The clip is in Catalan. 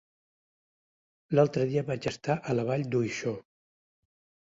L'altre dia vaig estar a la Vall d'Uixó.